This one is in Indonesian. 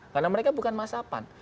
karena mereka bukan masapan